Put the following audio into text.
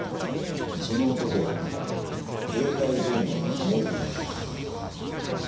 その男は携帯電話を持っていた。